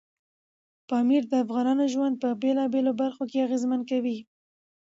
پامیر د افغانانو ژوند په بېلابېلو برخو کې اغېزمن کوي.